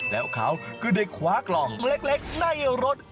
แล้วเขาก็ได้คว้ากล่องเล็กในรถ